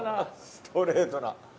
ストレートな。